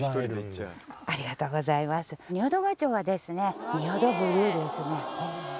ありがとうございます。